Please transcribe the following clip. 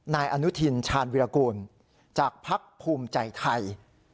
นายอนุทินชาญวิรากูลจากภักดิ์ภูมิใจไทย